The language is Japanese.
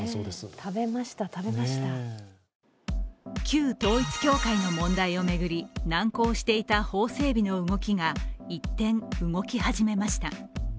旧統一教会の問題を巡り難航していた法整備の動きが一転、動き始めました。